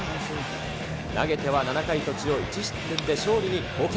投げては７回途中を１失点で勝利に貢献。